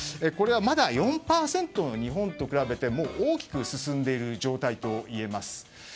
これはまだ４％の日本と比べてみても大きく進んでいる状態といえます。